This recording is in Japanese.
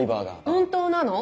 本当なの？